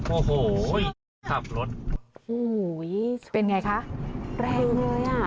โอ้โหขับรถโอ้โหเป็นไงคะแรงเลยอ่ะ